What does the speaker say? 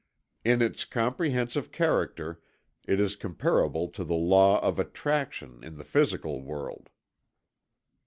In its comprehensive character it is comparable to the law of attraction in the physical world."